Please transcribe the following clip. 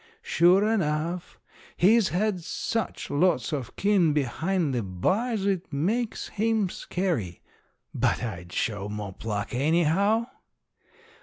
Sure enough, he's had such lots of kin behind the bars it makes him scary. But I'd show more pluck, anyhow.